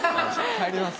帰ります。